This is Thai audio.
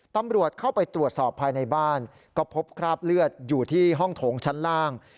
ตำรวจเข้าไปตรวจสอบภายในบ้านก็พบคราบเลือดอยู่ที่ห้องโถงชั้นล่าง